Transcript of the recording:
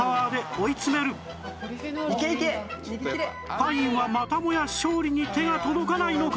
パインはまたもや勝利に手が届かないのか？